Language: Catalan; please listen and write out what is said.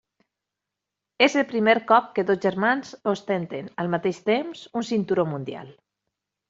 És el primer cop que dos germans ostenten, al mateix temps, un cinturó mundial.